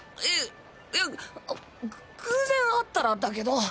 いいやぐ偶然会ったらだけど。